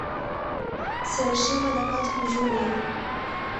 Серышем адакат кужу лие.